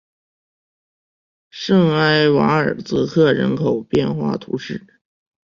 圣埃瓦尔泽克人口变化图示